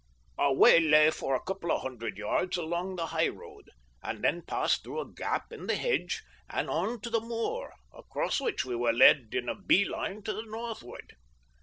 Our way lay for a couple of hundred yards along the high road, and then passed through a gap in the hedge and on to the moor, across which we were led in a bee line to the northward.